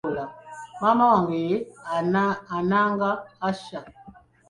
Maama wange ye Ananga Asha.